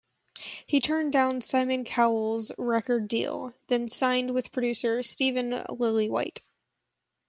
He turned down Simon Cowell's record deal, then signed with producer Steve Lillywhite.